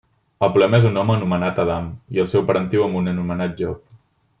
El problema és un home anomenat Adam, i el seu parentiu amb un anomenat Job.